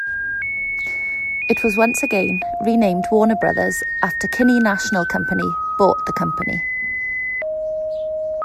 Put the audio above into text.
It was once again renamed Warner Brothers after Kinney National Company bought the company.